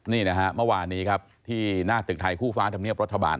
นี่นะฮะเมื่อวานนี้ครับที่หน้าตึกไทยคู่ฟ้าธรรมเนียบรัฐบาล